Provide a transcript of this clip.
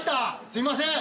すいません。